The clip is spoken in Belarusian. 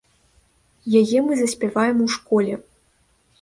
Яе мы заспяваем у школе.